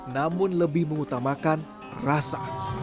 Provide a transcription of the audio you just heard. namun lebih mengutamakan rasa